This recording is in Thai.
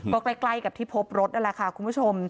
ก็ใกล้กับที่พบรถนั่นแหละค่ะคุณผู้ชม